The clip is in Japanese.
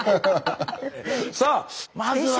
さあまずは。